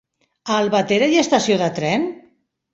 A Albatera hi ha estació de tren?